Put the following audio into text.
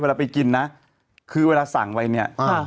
ไปกินนะคือเวลาสั่งไว้เนี่ย